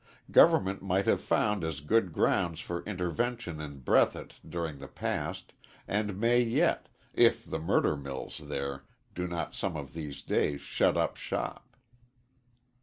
Government might have found as good grounds for intervention in Breathitt during the past, and may yet if the murder mills there do not some of these days shut up shop.